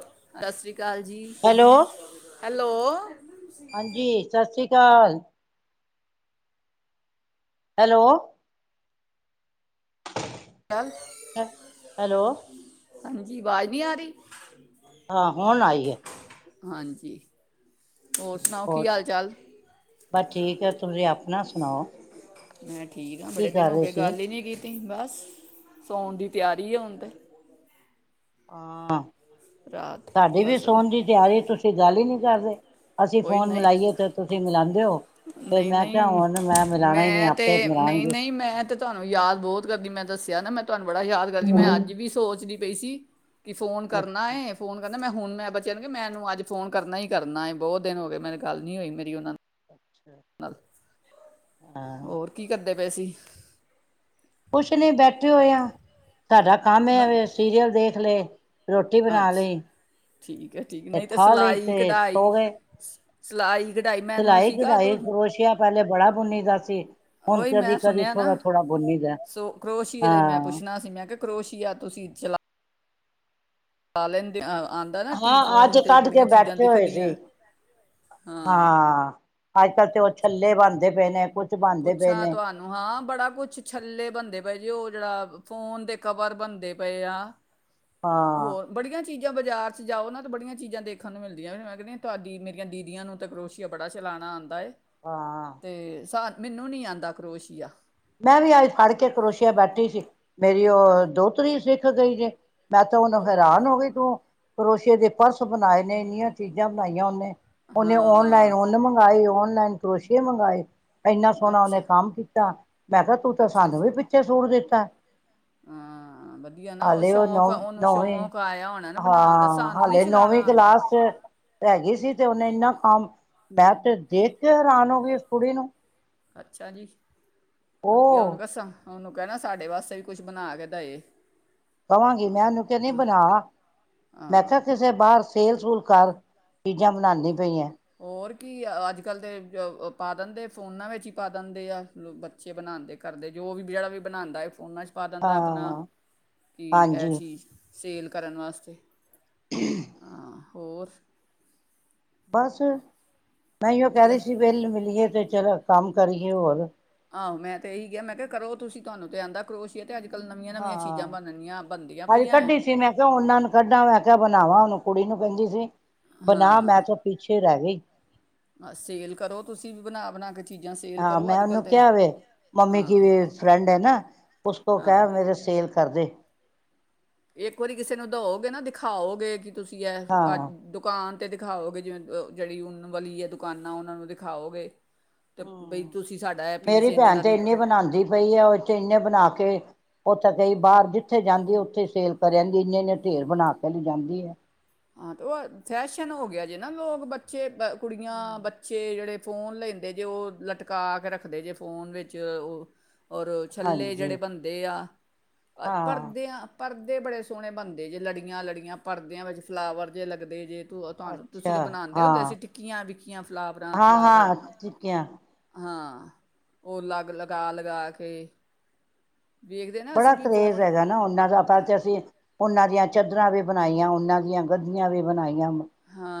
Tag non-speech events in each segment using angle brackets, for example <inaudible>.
ਦਸਰੀ ਸਤਿ ਸ਼੍ਰੀ ਆਕਾਲ ਜੀ ਹੈਲੋ ਹੈਲੋ ਹਾਂਜੀ ਸਤਿ ਸ੍ਰੀ ਅਕਾਲ ਚਾਲ ਹੈਲੋ ਚੱਲ ਹੈਲੋ ਹਾਂਜੀ ਆਵਾਜ਼ ਨੀ ਆ ਰਹੀ ਆਹ ਹੁਣ ਆਈ ਹੈ ਹਾਂਜੀ ਸੁਣਾਓ ਹੋਰ ਕੀ ਹਾਲ ਚਾਲ ਬਸ ਠੀਕ ਆ ਤੁਸੀਂ ਆਪਣਾ ਸੁਣਾਓ <unintelligible> ਠੀਕ ਆ ਕੀ ਬੜੇ ਦਿਨ ਕਰ ਹੋ ਰਹੇ ਗਏ ਸੀ ਗੱਲ ਹੀ ਨੀ ਕੀਤੀ ਬਸ ਸਾਣ ਦੀ ਤਿਆਰੀ ਹ ਤੇ ਹਾਂ ਰਾਤ ਸਾਡੀ ਵੀ ਬਸ ਸੋਣ ਦੀ ਤਿਆਰੀ ਤੁਸੀਂ ਤੇ ਗੱਲ ਨਹੀਂ ਕਰਦੇ ਅਸੀਂ ਕੋਈ ਫੋਨ ਨਹੀਂ ਮਿਲਾਈਏ ਤੇ ਤੁਸੀਂ ਮਿਲਾਉਂਦੇ ਹੋ ਫਿਰ ਨਹੀਂ ਮੈਂ ਨਹੀਂ ਕਿਹਾ ਹੁਣ ਮੈਂ ਮਿਲਾਉਣਾ ਹੀ ਨਹੀਂ ਮੈਂ ਆਪੇ ਤੇ ਨਹੀਂ ਮਿਲਾਉਣਗੇ ਨਹੀਂ ਮੈਂ ਤੇ ਤੁਹਾਨੂੰ ਯਾਦ ਬਹੁਤ ਕਰਦੀ ਮੈਂ ਦੱਸਿਆ ਨਾ ਮੈਂ ਤੁਹਾਨੂੰ ਬੜਾ ਯਾਦ ਕਰਦੀ ਮੈਂ ਅੱਜ ਵੀ ਸੋਚਦੀ ਬਈ ਸੀ ਕਿ ਫੋਨ ਕਰਨਾ ਅੱਛਾ ਅੱਛਾ ਫੋਨ ਕਰਨਾ ਮੈਂ ਹੁਣ ਮੈਂ ਬੱਚਿਆਂ ਨੂੰ ਮੈਨੂੰ ਅੱਜ ਫੋਨਨਾ ਹੀ ਕਰਨਾ ਏ ਬਹੁਤ ਦਿਨ ਹੋ ਗਏ ਮੇਰੀ ਗੱਲ ਨੀ ਹੋਈ ਮੇਰੀ ਉਹਨਾਂ ਦੀ ਨਾਲ ਹਾਂ ਹੋਰ ਕੀ ਕਰਦੇ ਦੇ ਪਏ ਸੀ ਕੁਛ ਨੇ ਬੈਠੇ ਹੋਏ ਆ ਤੁਹਾਡਾ ਕੰਮ ਮੈਂ ਇਹਵੇ ਸੀਰੀਅਲ ਦੇਖ ਲਏ ਰੋਟੀ ਬਣਾ ਅੱਛਾ ਲਈ ਠੀਕ ਹੈ ਠੀਕ ਤੇ ਨਹੀਂ ਤਾਂ ਖਾ ਲਈ ਸਿਲਾਈ ਤੇ ਕਢਾਈ ਸੋ ਗਏ ਸਲਾਈ ਸਿਲਾਈ ਕਢਾਈ ਕਰੋਸ਼ਆ ਪਹਿਲੇ ਬੜਾ ਬੁਨੀ ਦਾ ਸੀ ਹੁਣ ਉਹੀ ਕਦੀ ਮੈਂ ਕਦੀ ਸੁਣਿਆ ਥੋੜ੍ਹਾ ਨਾ ਥੋੜਾ ਬੁਨੀਦਾ ਸੋ ਕਰੋਸ਼ੀਏ ਦਾ ਹੀ ਮੈਂ ਹਾਂ ਪੁੱਛਣਾ ਸੀ ਮੈਂ ਕਿਹਾ ਕਰੋਸ਼ੀਆ ਪਾ ਲੈਂਦੀ ਆਹ ਹਾਂ, ਅੱਜ ਕੱਢ ਕੇ ਬੈਠੇ ਹੋਏ ਦਿਖਦੀਆਂ ਸੀ, ਹਾਂ। ਅੱਜ-ਕੱਲ੍ਹ ਤੇ ਉਹ ਪੁੱਛ ਛੱਲੇ ਬਨਦੇ ਪਏ ਨੇ। ਕੁਛ ਬਣਦੇ ਪਏ ਪੁੱਛਾਂ ਨੇ ਤੁਹਾਨੂੰ ਹਾਂ, ਬੜਾ ਕੁੱਛ ਛੱਲੇ ਬੰਦੇ ਪਏ ਜੇ ਉਹ ਜਿਹੜਾ ਫੋਨ ਦੇ ਕਵਰ ਬਨਦੇ ਪਏ ਆ। ਹਾਂ ਹੋਰ ਬੜੀਆਂ ਚੀ ਜਾਂ ਬਾਜ਼ਾਰ ਚ ਜਾਓ ਨਾ ਤਾਂ ਬੜੀਆਂ ਚੀਜ਼ਾਂ ਦੇਖਣ ਨੂੰ ਮਿਲਦੀਆਂ ਵੀ ਮੈਂ ਕਹਿੰਦੀ ਆਂ ਤੁਹਾਡੀ ਮੇਰੀਆਂ ਦੀਦੀਆਂ ਨੂੰ ਤੇ ਕਰੋਸ਼ੀਆ ਬੜਾ ਚਲਾਣਾ ਆਂਦਾ ਏ। ਹਾਂ ਤੇ ਸਾ ਮੈਨੂੰ ਨੀ ਆਂਦਾ ਕਰੋਸ਼ੀਆ। ਮੈਂ ਵੀ ਅੱਜ ਫੜ ਕੇ ਕਰੋਸ਼ੀਆ ਬੈਠੀ ਸੀ। ਮੇਰੀ ਅ- ਉਹ ਦੋਤਰੀ ਸੀ <unintelligible> ਗਈ ਜੇ ਮੈਂ ਤਾਂ ਉਹਨੂੰ ਉਹ ਹੈਰਾਨ ਹੋ ਗਈ ਤੂੰ ਕਰੋਸ਼ੀਏ ਦੇ ਪਰਸ ਬਨਾਏ ਨੇ, ਇੰਨੀਆਂ ਚੀਜ਼ਾਂ ਬਨਾਈਆਂ ਉਹਨੇ। ਉਹਨੇ ਹਾਂ ਓਨਲਾਈਨ ਉਹਨੇ ਮੰਗਵਾਏ ਓਨ ਲਾਈਨ ਕਰੋਸ਼ੀਏ ਮੰਗਾਏ। ਇੰਨਾ ਸੋਹਨਾ ਅੱਛਾ ਉਹਨੇ ਕੰਮ ਕੀਤਾ। ਮੈਂ ਕਿਹਾ ਤੂੰ ਤੇ ਅੱਛਾ ਸਾਨੂੰ ਅੱਛਾ। ਵੀ ਪਿੱਛੇ ਸੁਣ ਦਿੱ- ਤਾ। ਹਾਂ ਵਧੀਆ ਨਾ ਹਾਲੇ ਉਹ ਸ਼ੌਂਕ ਨੌ ਉਹਨੂੰ ਨੌਵੀਂ, ਸ਼ੌਂਕ ਆਇਆ ਹੋਣਾ ਨਾ ਬਣਾਉਣ ਦਾ ਹਾਂ ਸਾਨੂੰ ਨਹੀਂ ਹਾਲੇ ਚਲਾਣਾ ਨੌਵੀਂ ਆਂਦਾ ਕਲਾਸ ਚ ਹੈਗੀ ਸੀ ਤੇ ਇੰਨਾ ਕੰਮ ਮੈਂ ਤੇ ਦੇਖ ਕੇ ਹੈਰਾਨ ਹੋ ਗਈ ਉਸ ਕੁੜੀ ਨੂੰ। ਅੱਛਾ ਜੀ। ਵਧੀਆ ਉਹ ਉਹਨੂੰ ਕਹ ਸਾ ਉਹਨੂੰ ਕਹਿਨਾ ਸਾਡੇ ਵਾਸਤੇ ਵੀ ਕੁਛ ਬਨਾ ਕੇ ਦਏ। ਕਵਾਂਗੀ ਮੈਂ ਉਹਨੂੰ ਕਹਨੀ ਬਨਾ। ਹਾਂ ਮੈਂ ਕਿਹਾ ਕਿਸੇ ਬਾਹਰ ਸੇਲ ਸੁਲ ਕਰ। ਚੀਜ਼ਾਂ ਬਨਾਨੀ ਉਹ- ਪਈ ਏ। ਹੋਰ ਕੀ ਅੱਜ-ਕੱਲ੍ਹ ਦੇ ਪਾ ਦਿੰਦੇ ਫੋਨਾਂ ਵਿੱਚ ਹੀ ਪਾ ਦਿੰਦੇ ਆ, ਬੱਚੇ ਬਨਾਂਦੇ ਕਰਦੇ ਜੋ ਵੀ ਜਿਹੜਾ ਵੀ ਬਨਾਂਦਾ ਫੋਨਾ ਚ ਉ ਪਾ ਦਿੰਦਾ ਆਪਨਾ ਹਾਂ ਕਿ ਇਹ ਹਾਂਜੀ ਚੀਜ਼ ਸੇਲ ਕਰਨ ਵਾਸਤੇ ਹਾਂ। ਹੋਰ। ਬਸ। ਮੈਂ ਏਹੀਓ ਕਹਿ ਵਧੀਆ ਰਹੀ ਸੀ, ਵੇਲ ਮਿਲੀਏ ਤੇ ਚਲੋ ਕੰਮ ਕਰੀਏ ਹੋਰ ਆਹੋ ਮੈਂ ਤੇ ਇਹੀ ਕਿਆ, ਮੈਂ ਕਿਹਾ ਕਰੋ ਤੁਸੀਂ ਤੁਹਾਨੂੰ ਤੇ ਆਂਦਾ ਕਰੋਸ਼ੀਆ। ਅਤੇ ਅੱਜ ਕੱਲ੍ਹ ਨਵੀਆਂ ਨਵੀਆਂ ਚੀਜ਼ਾਂ ਹਾਂ, ਬਣਨੀਆਂ ਬਣਦੀਆਂ ਆਜ ਪਈਆਂ ਹੈ ਕੱਢੀ ਸੀ ਮੈਂ ਕਿਹਾ ਉਹਨਾਂ ਨੂੰ ਕੱਢਾ ਮੈਂ ਕਿਹਾ ਬਣਾਵਾਂ ਉਹਨੂੰ ਕੁੜੀ ਨੂੰ ਕੇਦੀ ਸੀ। ਬਣਾ, ਮੈਂ ਤਾਂ ਪਿੱਛੇ ਰਹਿ ਗਈ। ਆ ਸੇਲ ਕਰੋ ਤੁਸੀਂ ਵੀ ਬਣਾ, ਬਣਾ ਕੇ ਚੀਜ਼ਾਂ ਸੇਲ ਹਾਂ ਕਰੋ ਮੈਂ ਅੱਜ ਕੱਲ੍ਹ ਉਹਨੂੰ ਤਾਂ ਕਿਹਾ ਵੇ ਮੰਮੀ ਕੀ ਹਾਂ ਵੀ ਫਰੈਂਡ ਹੈ ਨਾ ਉਸ ਤੋਂ ਕ ਹਾਂ ਮੇਰੇ ਸੇਲ ਕਰਦੇ। ਇੱਕ ਵਾਰੀ ਕਿਸੇ ਨੂੰ ਦਓਗੇ ਨਾ ਦਿਖਾਓਗੇ ਕਿ ਤੁਸੀਂ ਇਹ ਅੱਜ ਹਾਂ ਦੁਕਾਨ ਅਤੇ ਦਿਖਾਓਗੇ ਜਿਵੇਂ ਜਿਹੜੀ ਉਨ ਵਾਲੀ ਹੈ, ਦੁਕਾਨਾਂ ਉਹਨਾਂ ਨੂੰ ਦਿਖਾਓਗੇ। ਤੇ ਬਈ ਹਮ, ਤੁਸੀਂ ਸਾਡਾ ਇਹ ਪੀਸ ਮੇਰੀ ਇੰਨੇ ਭੈਣ ਦਾ ਤੇ ਨਿਕ ਇਨੇ ਬਣਾਉਂਦੀ ਪਈ ਆ ਉਥੇ ਇਨੇ ਬਣਾ ਕੇ ਉੱਥੇ ਕਈ ਬਾਹਰ ਜਿੱਥੇ ਜਾਂਦੀ ਉੱਥੇ ਸੇਲ ਕਰ ਆਦੀ ਇੰਨੇ, ਇੰਨੇ ਢੇਰ ਬਣਾ ਕੇ ਲਈ ਜਾਂਦੀ ਹੈ। ਹਾਂ ਤੇ ਉਹ ਫੈਸ਼ਨ ਹੋ ਗਿਆ‌ ਜੇ ਨਾ, ਲੋਕ ਬੱਚੇ ਕੁੜੀਆਂ ਬੱਚੇ ਜਿਹੜੇ ਫੋਨ ਲੈਂਦੇ ਜੇ ਉਹ ਲਟਕਾ ਕੇ ਰੱਖਦੇ ਜੇ ਫੋਨ ਵਿੱਚ ਉਹ ਔਰ ਛੱਲੇ ਹਾਂਜੀ ਜਿਹੜੇ ਬਣਦੇ ਆ ਹਾਂ ਭਰਦੇ ਆਾਂ ਪਰਦੇ ਬੜੇ ਸੋਹਣੇ ਬਣਦੇ ਜੇ ਲੜੀਆਂ ਲੜੀਆਂ ਪਰਦਿਆਂ ਵਿੱਚ ਫਲਾਵਰ ਜੇ ਲੱਗਦੇ ਜੇ ਤ ਤੁਹਾਨੂੰ ਤੁਸੀਂ ਅੱਛਾ ਤਾਂ ਬਣਾਉਂਦੇ ਹੁੰਦੇ ਹਾਂ ਅਸੀਂ ਟਿੱਕੀਆਂ ਵਿਕੀਆਂ ਫਲਾਵਰਾਂ ਹਾਂ ਫਲਾਵਰ ਹਾਂ ਟਿੱਕੀਆਂ ਹਾਂ। ਉਹ ਲਗ ਲਗਾ, ਲਗਾ ਕੇ ਵੇਖਦੇ ਨਾ ਅਸੀਂ ਬੜਾ ਵੀ ਕਰੇਜ਼ ਫੋਨ ਹੈਗਾ ਨਾ ਉਹਨਾਂ ਦਾ ਪਰ ਤੇ ਅਸੀਂ ਉਹਨਾਂ ਦੀਆਂ ਚਾਦਰਰਾਾਂ ਵੀ ਬਣਾਈਆਂ ਉਹਨਾਂ ਦੀਆਂ। ਗੱਦੀਆਂ ਵੀ ਬਣਾਈਆਂ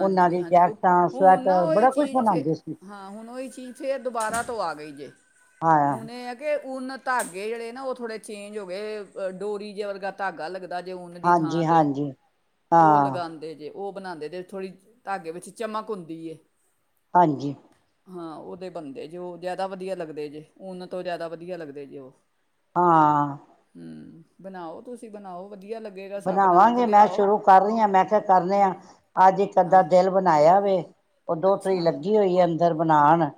ਉਹਨਾਂ ਦੀ ਉਹ ਜੈਕਟਾਂ ਹੁਣ ਨਾ ਸਵੈਟਰ ਉਹੀ ਬੜਾ ਕੁਛ ਚੀਜ਼ ਫੇ ਬਣਾਉਂਦੇ ਸੀ ਹਾਂ ਹੁਣ ਉਹੀ ਚੀਜ਼ ਫੇਰ ਦੁਬਾਰਾ ਤੋਂ ਆ ਗਈ ਜੇ ਹਾਂ ਹੁਣ ਇਹ ਹੈ ਕਿ ਉਹਨ ਤੁਹਾਡ ਜਿਹੜੇ ਨਾ ਉਹ ਥੋੜੇਜ ਹੋ ਗਏ ਡੋਰੀ ਜੇ ਵਰਗਾ ਧਾਗਾ ਲੱਗ ਦਾ ਜੇ ਦੀ ਥਾਂ ਹਾਂਜੀ ਤੇ ਹਾਂਜੀ -ਉਹ ਹਾਂ ਲਗਾਉਂਦੇ ਜੇ ਉਹ ਬਣਾਉਂਦੇ ਥੋੜ੍ਹੀ ਧਾਗੇ ਵਿੱਚ ਚਮਕ ਹੁੰਦੀ। ਹਾਂਜੀ। ਹਾਂ ਉਹਦੇ ਬਣਦੇ ਜੇ ਉਹ ਜ਼ਿਆਦਾ ਵਧੀਆ ਲੱਗਦੇ ਜੇ ਨ ਤੋਂ ਜ਼ਿਆਦਾ ਵਧੀਆ ਲੱਗਦੇ ਜੇ। ਹਾਂ ਹਮ ਬਣਾਓ ਤੁਸੀਂ ਬਣਾਓ ਵਧੀਆ ਲੱਗੇਗਾ ਸਾ ਬਣਾ ਕੇ ਬਣਾਵਾਂਗੇ ਮੈਂ ਲਿਆਓ ਸ਼ੁਰੂ ਕਰ ਰਹੀ ਹਾਂ ਮੈਂ ਕਿਹਾ ਕਰਨੇ ਆ ਅੱਜ ਇੱਕ ਹਾਂ ਅੱਧਾ ਦਿਲ ਬਣਾਇਆ ਵਵੇ ਉਹ ਦੋ ਤਰੀ ਅੱਛਾ ਲੱਗੀ ਹੋਈ ਹੈ ਅੰਦਰ ਬਣਾਉਣ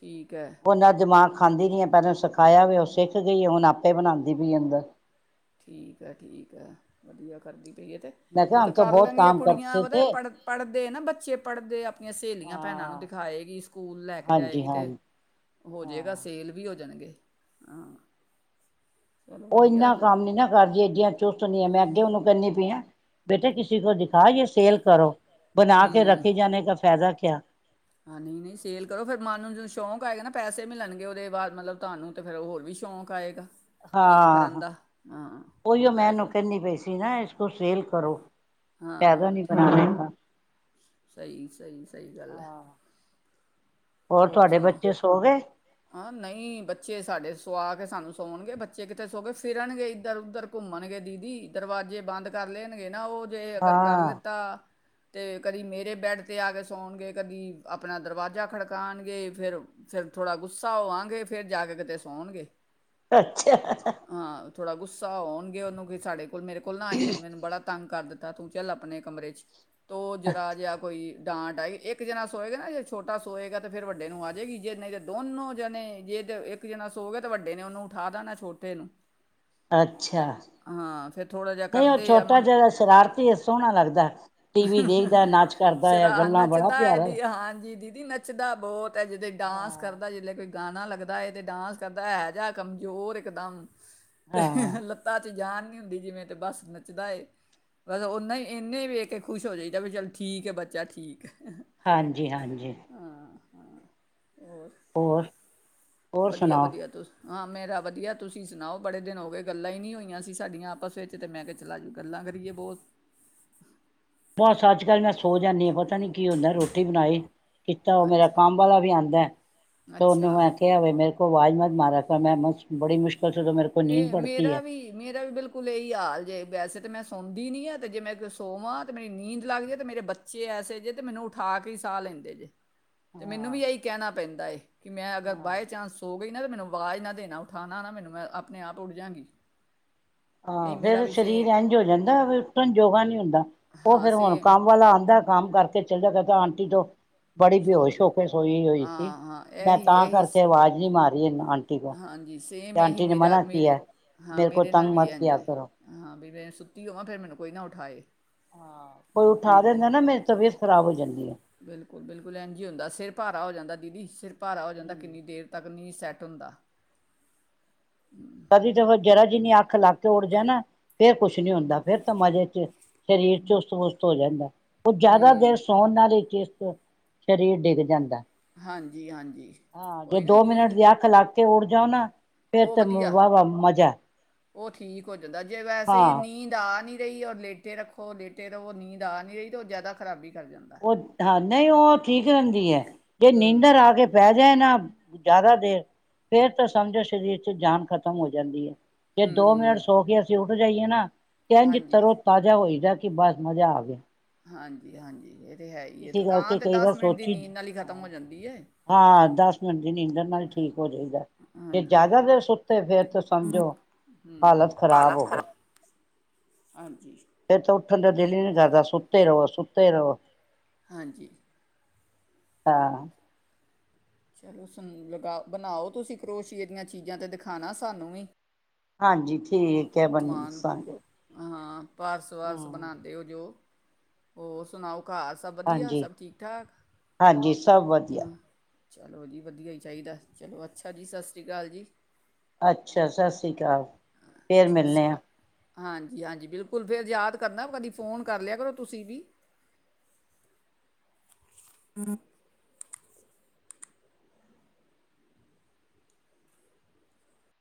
ਠੀਕ ਹੈ ਉਹਨਾਂ ਦਿਮਾਗ ਖਾਂਦੀ ਨੀ ਆ ਪਹਿਲਾਂ ਸਿਖਾਇਆ ਵੀ ਉਹ ਸਿੱਖ ਗਈ ਆ ਹੁਣ ਆਪੇ ਬਣਾਉਂਦੀ ਪਈ ਅੰਦਰ ਠੀਕ ਹੈ, ਠੀਕ ਹੈ ਵਧੀਆ ਕਰਦੀ ਪਏ ਤੇ ਮੈਂ ਉਹ ਕਿਹਾ ਤਾਂ ਹਮ ਕਰ ਬਹੁਤ ਲੈਂਦੀ ਆ ਕੰਮ ਕੁੜੀਆਂ ਕਰਤੇ ਉਹ ਥੇ ਪੜ੍ਹ ਪੜ੍ਹਦੇ ਨਾ ਬੱਚੇ ਪੜ੍ਹਦੇ ਆਪਣੀਆਂ ਸਹੇਲੀਆਂ ਭੈਣਾਂ ਨੂੰ ਹਾਂ ਦਿਖਾਏਗੀ ਸਕੂਲ ਲੈ ਕੇ ਹਾਂਜੀ ਜਾਏਗੀ ਤੇ ਹਾਂਜੀ ਹੋ ਜਾਏਗਾ ਹਾਂ ਸੇਲ ਵੀ ਹੋ <unintelligible> ਹਾਂ। ਚਲੋ ਉਹ ਵਧੀਆ ਇੰਨਾ ਕੰਮ ਨੀ ਨਾ ਕਰਦੀ ਇਏਡੀਆਂ ਚੁਸਤ ਨ ਹੈ ਮੈਂ ਅੱਗੇ ਉਹਨੂੰ ਕਹਿੰਦੀ ਪਈ ਹਾਂ ਬੇਟੇ ਕਿਸੇ ਕੋਲ ਦਿਖਾ ਯੇ ਸੇਲ ਕਰੋ ਬਣਾ ਕੇ ਰੱਖੇ ਜਾਣੇ ਕਾ ਫ਼ਾਇਦਾ ਕਿਆ ਹਾਂ ਨਹੀਂ ਨਹੀਂ ਸੇਲ ਕਰੋ ਫਿਰ ਮਨ ਨੂੰ ਜਦੋਂ ਸ਼ੌਂਕ ਆਏਗਾ ਨਾ ਪੈਸੇ ਮਿਲਣਗੇ ਉਹਦੇ ਬਾਅਦ ਮਤਲਬ ਤੁਹਾਨੂੰ ਤਾਂ ਫਿਰ ਹੋਰ ਵੀ ਸ਼ੌਂਕ ਆਏਗਾ। ਕੰਮ ਕਰਨ ਹਾਂ ਦਾ ਹਾਂ ਉਹੀਓ ਹੁੰਦਾ ਹੈ ਮੈਂਨੂੰ ਥੋੜ੍ਹਾ ਕਹਿੰਨੀ ਪਈ ਸੀ ਨਾ ਇਸ ਕੋਲ ਸੇਲ ਕਰੋ। ਕੈਦੋ ਹਾਂ ਨੀ ਠੀਕ ਬਣਾਣੇ ਸਹੀ, ਸਹੀ, ਸਹੀ। ਗੱਲ ਹੈ। ਹੋਰ ਤੁਹਾਡੇ ਸੁਣਾ ਬੱਚੇ ਸੋ ਗਏ ਹ ਨਹੀਂ ਬੱਚੇ ਸਾਡੇ ਸੁਆਗ ਕੇ ਸਾਨੂੰ ਸੌਣਗੇ ਬੱਚੇ ਕਿੱਥੇ ਸੋ ਗਏ ਫਿਰਨਗੇ ਇੱਧਰ ਉੱਧਰ ਘੁੰਮਣਗੇ ਦੀਦੀ ਦਰਵਾਜ਼ੇ ਬੰਦ ਕਰ ਲੈਣਗੇ ਨਾ ਉਹ ਜੇ ਅਗਰ ਕਰ ਹਾਂ ਲਿੱਤਾ। ਤੇ ਕਦੀ ਮੇਰੇ ਬੈਡ ਤੇ ਆ ਕੇ ਸੌਣਗੇ ਕਦੀ ਆਪਣਾ ਦਰਵਾਜ਼ਾ ਖੜ ਕਾਣਗੇ ਫੇਰ ਫਿਰ ਥੋੜਾ ਗੁੱਸਾ ਹੋਆਾਂਗੇ ਫੇਰ ਜਾ ਕੇ ਕਿਤੇ ਸੌਣਗੇ। ਅੱਛਾ। ਥੋੜ੍ਹਾ ਗੁੱਸਾ ਹੋਣਗੇ ਉਹਨੂੰ ਕਿ ਸਾਡੇ ਕੋਲ ਮੇਰੇ ਕੋਲ ਨਾ ਆਈ ਹੁਣ ਮੈਨੁੰ ਬੜਾ ਤੰਗ ਕਰ ਦਿੱਤਾ ਤੂੰ ਚੱਲ ਆਪਣੇ ਕਮਰੇ ਚ। ਤੋ ਜਰਾ ਜਿਹਾ ਕੋਈ ਡਾਂਟ ਆਈ ਇੱਕ ਜਣਾ ਸੋਏਗਾ ਨਾ ਜੇ ਛੋਟਾ ਸੋਏਗਾ ਤੇ ਫਿਰ ਵੱਡੇ ਨੂੰ ਆ ਜੇਗੀ ਜੇ ਨਹੀਂ ਤੇ ਦੋਨੋ ਜਣੇ ਜੇ ਤੇ ਇੱਕ ਜਣਾ ਸੋ ਗਿਆ ਤੇ ਵੱਡੇ ਨੇ ਉਹਨੂੰ ਉਠਾ ਦੇਣਾ ਛੋਟੇ ਨੂੰ। ਅੱਛਾ, ਹਾਂ ਫਿਰ ਥੋੜਾ ਜਿਹਾ ਨਹੀਂ ਉਹ ਕਰਦੇ ਆ ਛੋਟਾ ਮੰ ਜਿਹੜਾ ਸ਼ਰਾਰਤੀ ਹੈ ਸੋਹਣਾ ਲੱਗਦਾ ਐ ਟੀ ਵੀ ਦੇਖਦਾ ਨਾਚ ਕਰਦਾ ਆ ਗੱਲਾਂ ਬੜਾ ਪਿਆਰਾ। <unintelligible> ਸਿਧਾ ਬਹੁਤ ਜਦ ਹਾਂ ਡਾਂਸ ਕਰਦਾ ਜਿਲੇ ਕੋਈ ਗਾਣਾ ਲੱਗਦਾ ਏ ਤੇ ਡਾਂਸ ਕਰਦਾ ਹੈ ਜਿਹਾ ਕਮਜ਼ੋਰ ਇਕਦਮ। ਤੇ ਹਾਂ ਲੱਤਾਂ ਚ ਜਾਣ ਹੁੰਦੀ ਜਿਵੇਂ ਤੇ ਬਸ ਨੱਚਦਾ ਏ। ਬਸ ਓਨਾ ਹੀ ਇਨੇ ਵੇਖ ਕੇ ਖੁਸ਼ ਹੋ ਜਾਈਦਾ ਵੀ ਚੱਲ ਠੀਕ ਹੈ ਬੱਚਾ ਠੀਕ। ਹਾਂਜੀ ਹਾਂਜੀ। ਹੋਰ। ਹੋਰ ਸੁਣਾਓ ਵਧੀਆ-ਵਧੀਆ ਤੁਸ ਹਾਂ, ਮੇਰਾ ਵਧੀਆ ਤੁਸੀਂ ਸੁਣਾਓ ਬੜੇ ਦਿਨ ਹੋ ਗਏ ਗੱਲਾਂ ਹੀ ਨਹੀਂ ਹੋਈਆਂ ਸੀ ਸਾਡੀਆਂ ਆਪਸ ਵਿੱਚ ਅਤੇ ਮੈਂ ਕਿਹਾ ਚਲ ਅਜ ਗੱਲਾਂ ਕਰੀਏ ਬਹੁਤ। ਬਸ ਅੱਜ ਕੱਲ੍ਹ ਮੈਂ ਸੋ ਜਾਂਨੀ ਹਾ ਬ ਪਤਾ ਨੀ ਕੀ ਹੁੰਦਾ ਰੋਟੀ ਬਣਾਈ ਕੀਤਾ ਉਹ ਮੇਰਾ ਕੰਮ ਅੱਛਾ ਵਾਲਾ ਵੀ ਆਉਂਦਾ ਐ ਤੇ ਉਹਨੂੰ ਅੱਛਾ ਮੈਂ ਕਿਹਾ ਵੇ ਮੇ ਵਾਜ਼ ਮਤ ਮਾਰਾ ਕਰ ਮੈਂ ਮ ਬੜੀ ਮੁਸ਼ ਇਹ ਮੇਰਾ ਵੀ ਮੇਰਾ ਵੀ ਬਿਲਕੁਲ ਏਹੀ ਹਾਲ ਜੇ ਵੈਸੇ ਤੇ ਮੈਂ ਸ ਸੌਦੀ ਨੀ ਹੈ ਤੇ ਜੇ ਮੈਂ ਕੋਈ ਸੋਵਾਂ ਤੇ ਮੇਰੀ ਨੀਂਦ ਲੱਗਦੀ ਹੈ ਤੇ ਮੇਰੇ ਬੱਚੇ ਐਸੇ ਜੇ ਤੇ ਮੈਨੂੰ ਉਠਾ ਕੇ ਈ ਸਾਹ ਲੈਂਦੇ ਜੇ। ਤੇ ਮੈਨੂੰ ਹਾਂ ਵੀ ਇਹੀ ਕਹਿਣਾ ਪੈਂਦਾ ਏ। ਕਿ ਮੈਂ ਅਗਰ ਹਾਂ ਬਾਏ ਚਾਂਸ ਸੋ ਗਈ ਨਾ ਤਾਂ ਮੈਨੂੰ ਆਵਾਜ਼ ਨਾ ਦੇਣਾ ਉਠਾਉਣਾ ਨਾ ਮੈਨੂੰ ਮੈਂ ਆਪ ਆਪਣੇ ਆਪ ਉਠ ਜਾਂਗੀ। ਆਹ ਇਹੀ ਮੇਰਾ ਫੇਰ ਵੀ ਸ਼ਰੀਰ ਸੇਮ ਇੰਝ ਹੋ ਜਾਂਦਾ ਉਠਣ ਯੋਗਾ ਨਹੀ ਹੁੰਦਾ ਉਹ ਹਾਂ ਫੇਰ ਹੁਣ ਸੇਮ ਕੰਮ ਵਾਲਾ ਆਉਂਦਾ ਕੰਮ ਕਰਕੇ ਚੱਲਿਆ ਕਰਤਾ ਆਂਟੀ ਤੋਂ ਬੜੀ ਸੋ ਬੇਹੋਸ਼ ਦੇ ਹੋ ਕੇ ਸੋਈ ਹੋਈ ਥੀ ਹਾਂ ਹਾਂ ਮੈਂ ਇਹੀ ਤਾਂ ਇਹੀ ਸ- ਕਰਕੇ ਅਵਾਜ਼ ਨਹੀਂ ਮਾਰ <unintelligible> ਨਾਲ ਹਾਂਜੀ। ਸੇਮ ਇਹ ਹੀ ਮੇਰਾ ਮੇਰੇ ਕੀਆ। ਹਾਂ ਕੋ ਮੇਰੇ ਨਾਲ ਤੰਗ ਵੀ ਮਤ ਇੰਜ ਹਾਂ। ਮੈਂ ਸੁੱਤੀ ਹੋਵਾਂ, ਫਿਰ ਮੈਨੂੰ ਕੋਈ ਨਾ ਉਠਾਏ। ਹਾਂ ਕੋਈ ਉਠਾ ਹੂੰ, ਦਿੰਦਾ ਨਾ ਮੇਰੀ ਤਬੀਅਤ ਖ਼ਰਾਬ ਹੋ ਜਾਂਦੀ ਹੈ। ਬਿਲਕੁਲ-ਬਿਲਕੁਲ, ਐਂਜ ਹੀ ਹੁੰਦਾ। ਸਿਰ ਭਾਰੀ ਹੋ ਜਾਂਦਾ। ਦੀਦੀ ਸਿਰ ਭਾਰਾ ਵਜੇ ਤਕ, ਕਿੰਨੀ ਦੇਰ ਤੱਕ। ਨਹੀਂ ਸੈਟ ਹੁੰਦਾ। ਕਦੀ ਤਾਂ ਮੈ ਜਰਾ ਜਿੰਨੀ ਅੱਖ ਲੱਗ ਕੇ ਉੱਠ ਜਾਏ ਨਾ, ਫੇਰ ਕੁਛ ਨੀ ਹੁੰਦਾ। ਫਿਰ ਤਾਂ ਮਜ਼ੇ ਚ ਸਰੀਰ ਚੁਸਤ ਪੁਸਤ ਹੋ ਜਾਂਦਾ। ਉਹ ਜ਼ਿਆਦਾ ਦੇਰ ਹੂੰ ਸੌਣ ਨਾਲੇ ਚ ਸਰੀਰ ਡਿੱਗ ਜਾਂਦਾ। ਹਾਂਜੀ-ਹਾਂਜੀ। ਹਾਂ, ਜੇ ਦੋ ਮਿੰਟ ਦੀ ਅੱਖ ਲਗ ਤੇ ਉਠ ਜਾਓ ਨਾ। ਫੇਰ ਉਹ ਤਾਂ ਵਧੀਆ ਵਾਹ-ਵਾਹ ਮਜ਼ਾ। ਉਹ ਠੀਕ ਹੋ ਦਾ ਜੇ ਵੈਸੇ ਹੀ ਹਾਂ ਨੀਂਦ ਆ ਨੀ ਏਹੀ ਔਰ ਲੇਟੇ ਰੱਖੋ ਲੇਟੇ ਰਹੋ। ਨੀਂਦ ਆ ਨਹੀਂ ਰਹੀ ਤੇ ਉਹ ਜ਼ਿਆਦਾ ਖਰਾਬੀ। ਕਰ ਜਾਂਦਾ। ਉਹ ਹਾਂ ਨਹੀਂ ਉਹ ਠੀਕ ਰਹਿੰਦੀ ਹੈ। ਜੇ ਨੀਂਦਰ ਹੂੰ ਆ ਕੇ ਪੈ ਜਾਏ ਨਾ ਜ਼ਿਆਦਾ ਦੇਰ ਫੇਰ ਤਾਂ ਸਮਝੋ ਸਰੀਰ ਚ ਜਾਨ ਖਤਮ ਹੋ ਜਾਂਦੀ ਹੈ। ਜੇ ਦੋ ਮਿੰਟ ਹੂੰ ਸੋ ਕੇ ਅਸੀਂ ਉਠ ਬਜਾਈਏ ਨਾ। ਕਹਿੰਝ ਹਾਂਜੀ ਤਰੋ ਤਾਜ਼ਾ ਹੋਏਦਾ। ਕਿ ਬਸ ਮਜ਼ਾ ਆ ਗਿਆ। ਹਾਂਜੀ, ਹਾਂਜੀ। ਇਹ ਤਾਂ ਹੈ ਹੀ ਇਸ ਹੈ ਕਰਕੇ ਥਕਾਨ ਤਾਂ ਕਈ ਵਾਰ ਦਸ ਮਿੰਟ ਦੀ ਸੋਚੀ। ਨੀਂਦ ਨਾਲ ਹੀ ਖਤਮ ਹੋ ਜਾਂਦੀ ਹੈ ਹਾਂ, ਦਸ ਮਿੰਟ ਦੀ ਨੀਂਦਰ ਨਾਲ ਹੀ ਠੀਕ ਹੋ ਜਾਈਦਾ। ਜੇ ਹਾਂਜੀ ਜ਼ਿਆਦਾ ਦੇਰ ਸੁੱਤੇ ਫਿਰ ਤਾਂ ਸਮਝੋ ਹਾਲਤ ਖਰਾਬ ਹੋਵੇ ਹਾਂਜੀ ਫਿਰ ਤਾਂ ਠੰਡ ਦੇਲੀ ਨੀ ਕਰਦਾ, ਸੁੱਤ ਰਹੋ। ਸੁੱਤ ਰਹੋ। ਹਾਂਜੀ। ਹਾਂ। ਚਲੋੂੰ ਲਗਾ ਬਣਾਓ ਤੁਸੀਂ ਕਰੋਸ਼ੀਏ ਦੀਆਂ ਚੀਜ਼ਾਂ ਤੇ ਦਿਖਾਉਣਾ ਸਾਨੂੰ ਵੀ। ਹਾਂਜੀ, ਠੀਕ। ਕਿਆ ਸਮਾਨ ਬਣਨਾ ਦ। ਹਾਂ ਪਾਰਸ ਵਾਰਸ ਬਣਾਉਂਦੇ ਹੋ ਜੋ ਹੋਰ ਸੁਣਾਓ। ਘਾਰ ਸਭ ਵਧੀਆ। ਹਾਂਜੀ ਸਭ ਠੀਕ ਠਾਕ। ਹਾਂਜੀ ਸਭ ਵਧੀਆ ਹਾਂ। ਚਲੋ ਜੀ ਵਧੀਆ ਹੀ ਚਾਹੀਦਾ ਚਲੋ ਅੱਛਾ ਜੀ ਸਤਿ ਸ਼੍ਰੀ ਅਕਾਲ ਜੀ। ਅੱਛਾ ਸਤਿ ਸ੍ਰੀ ਅਕਾਲ। ਫਿਰ ਸਤਿ ਮਿਲਣੇ ਸ਼੍ਰੀ ਆ ਅਕਾਲ ਹਾਂਜੀ- ਹਾਂਜੀ ਬਿਲਕੁਲ ਫਿਰ ਯਾਦ ਕਰਨਾ ਕਦੀ ਫੋਨ ਕਰ ਲਿਆ ਕਰੋ ਤੁਸੀਂ ਵੀ। ਅਤੇਤ <unintelligible>